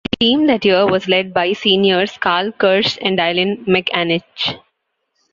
The team that year was led by seniors Karl Kirsch and Dylan McAninch.